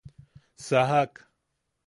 Sajak.